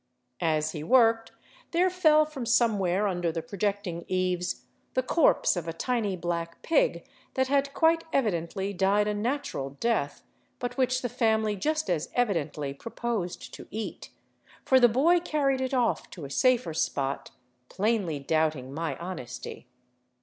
As he worked, there fell from somewhere under the projecting eaves the corpse of a tiny, black pig that had quite evidently died a natural death, but which the family just as evidently proposed to eat, for the boy carried it off to a safer spot, plainly doubting my honesty.